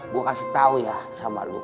gue masih tau ya sama lo